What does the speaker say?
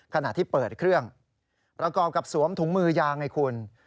ขณะที่เปิดเครื่องประกอบกับสวมถุงมือยางไงคุณ